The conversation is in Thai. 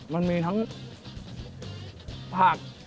มันมีทั้งผัก